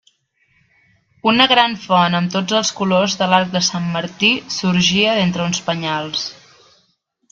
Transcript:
Una gran font amb tots els colors de l'arc de Sant Martí, sorgia d'entre uns penyals.